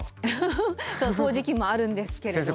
フフフ掃除機もあるんですけれど。